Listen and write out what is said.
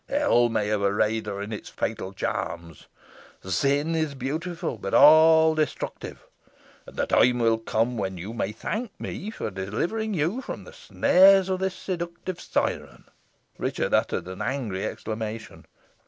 Hell may have arrayed her in its fatal charms. Sin is beautiful, but all destructive. And the time will come when you may thank me for delivering you from the snares of this seductive siren." Richard uttered an angry exclamation.